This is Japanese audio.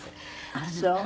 あっそう。